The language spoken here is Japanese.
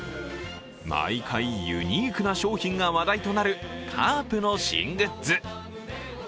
毎回ユニークな商品が話題となるカープの新グッズ。